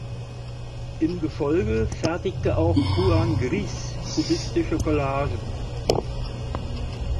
Im Gefolge fertigte auch Juan Gris kubistische Collagen.